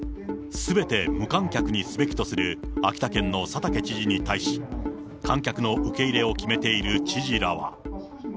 すべて無観客にすべきとする秋田県の佐竹知事に対し、観客の受け入れを決めている知事らは。